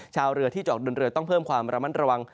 ชาวเรือที่จะออกเดินเรือต้องเพิ่มความระมัดระวัง